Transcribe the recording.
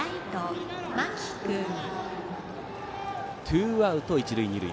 ツーアウト、一塁二塁。